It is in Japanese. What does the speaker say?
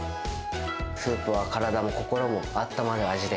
スープは体も心もあったまる味で、